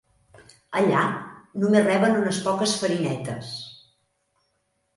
Allà, només reben unes poques farinetes.